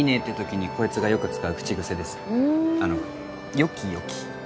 よきよき？